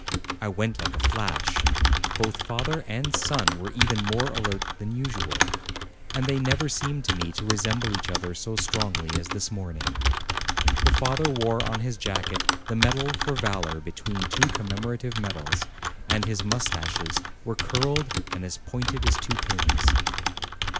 I went like a flash. Both father and son were even more alert than usual, and they never seemed to> me to resemble each other so strongly as this morning. The father wore on his jacket the medal for valor between two commemorative medals, and his moustaches were curled and as pointed as two pins.